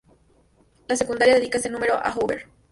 La secundaria dedica ese número a Hoover.